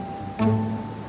oh aku juga